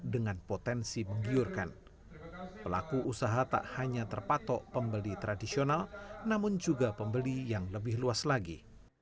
dengan potensi menggiurkan pelaku usaha tak hanya terpatok pembeli tradisional namun juga pembeli yang lebih luas lagi